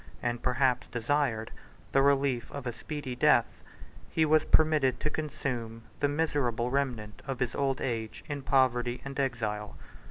and perhaps desired, the relief of a speedy death, he was permitted to consume the miserable remnant of his old age in poverty and exile.